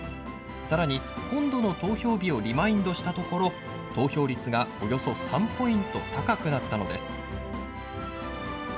さらに今度の投票日をリマインドしたところ投票率がおよそ３ポイント高くなったのです。